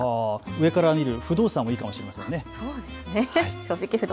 上から見る不動産もいいかもしれないですね。